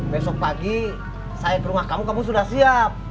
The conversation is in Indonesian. besok pagi saya ke rumah kamu kamu sudah siap